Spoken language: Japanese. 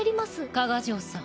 加賀城さん。